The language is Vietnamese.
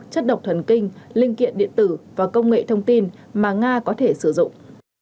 chất độc thần kinh linh kiện điện tử và công nghệ thông tin mà nga có thể sử dụng